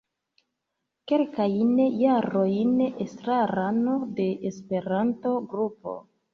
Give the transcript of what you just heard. Kelkajn jarojn estrarano de Esperanto-Grupo.